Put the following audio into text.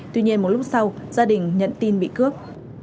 tuy nhiên một lúc sau gia đình nhận tin bị cướp